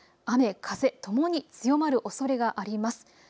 雨風ともに強まるおそれがあります。